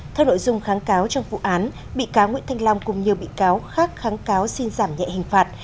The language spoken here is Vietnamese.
theo nội dung kháng cáo trong vụ án bị cáo nguyễn thanh long cùng nhiều bị cáo khác kháng cáo xin giảm nhẹ hình phạt